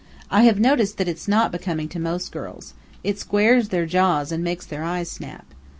(I have noticed that it's not becoming to most girls. It squares their jaws and makes their eyes snap.)